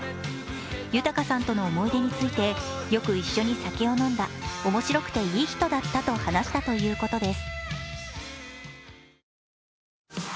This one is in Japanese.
豊さんとの思い出についてよく一緒に酒を飲んだ、面白くていい人だったと話したということです。